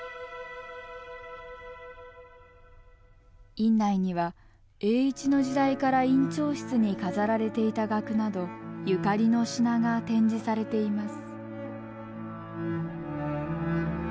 院内には栄一の時代から院長室に飾られていた額などゆかりの品が展示されています。